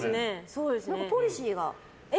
何かポリシーが？